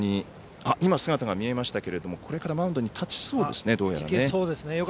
姿が見えましたけれどもこれからマウンドに立ちそうですね。